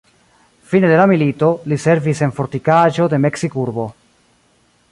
Fine de la milito, li servis en fortikaĵo de Meksikurbo.